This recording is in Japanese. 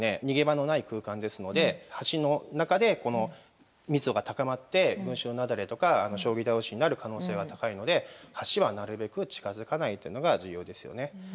逃げ場のない空間ですので橋の中で密度が高まって群衆雪崩とか将棋倒しになる可能性が高いので橋はなるべく近づかないというのが重要ですよね。